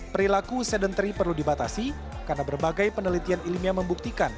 perilaku sedentari perlu dibatasi karena berbagai penelitian ilmiah membuktikan